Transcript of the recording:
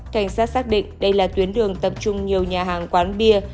cảnh sát xác định đây là tuyến đường tập trung nhiều nhà hàng quán bia